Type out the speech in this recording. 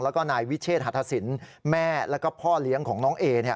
แล้วก็นายวิเชษฐศสินแม่แล้วก็พ่อเลี้ยงของน้องเอ